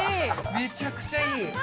めちゃくちゃいい。